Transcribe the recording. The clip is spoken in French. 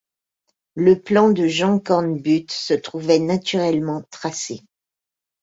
Le plan de Jean Cornbutte se trouvait naturellement tracé.